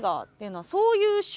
はい。